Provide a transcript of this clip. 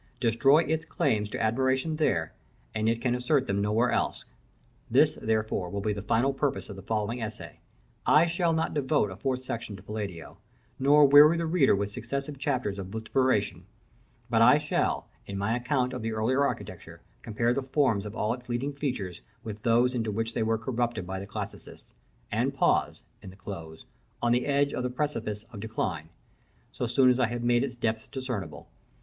Destroy its claims to admiration there, and it can assert them nowhere else. This, therefore, will be the final purpose of the following essay. I shall not devote a fourth section to Palladio, nor weary the reader with successive chapters of vituperation; but I shall, in my account of the earlier architecture, compare the forms of all its leading features with those into which they were corrupted by the Classicalists; and pause, in the close, on the edge of the precipice of decline, so soon as I have made its depths discernible.